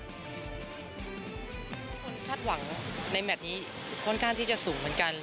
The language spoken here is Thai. คนคาดหวังในแมทนี้ค่อนข้างที่จะสูงเหมือนกัน